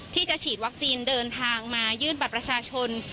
ที่จะฉีดวัคซีนเดินทางมายื่นบัตรประชาชน